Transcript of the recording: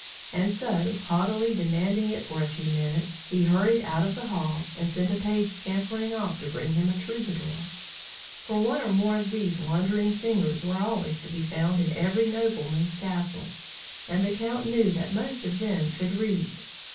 And so, haughtily demanding it for a few minutes, he hurried out of the hall, and sent a page scampering off to bring to him a troubadour; for one or more of these wandering singers were always to be found in every nobleman's castle, and the count knew that most of them could read.